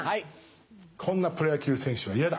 こんなプロ野球選手は嫌だ。